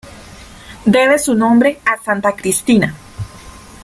Debe su nombre a Santa Cristina.